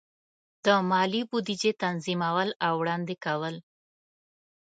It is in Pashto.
د مالی بودیجې تنظیمول او وړاندې کول.